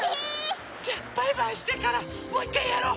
じゃあバイバイしてからもういっかいやろう。